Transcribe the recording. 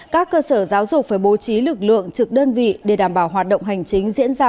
các cơ sở giáo dục phải bố trí lực lượng trực đơn vị để đảm bảo hoạt động hành chính diễn ra